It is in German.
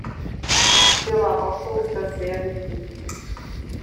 Für Marokko ist das sehr wichtig.